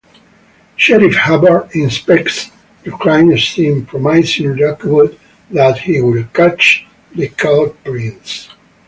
Sheriff Hubbard inspects the crime scene, promising Rockwood that he will catch the culprits.